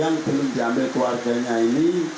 yang belum diambil keluarganya ini